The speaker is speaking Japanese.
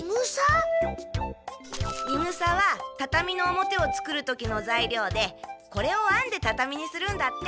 いぐさはたたみの表を作る時の材料でこれをあんでたたみにするんだって。